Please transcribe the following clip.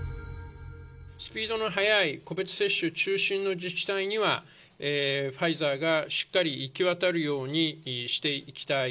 スピードの速い個別接種中心の自治体には、ファイザーがしっかり行き渡るようにしていきたい。